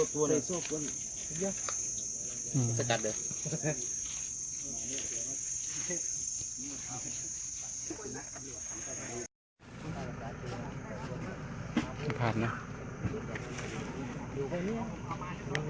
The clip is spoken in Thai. สวัสดีครับคุณผู้ชม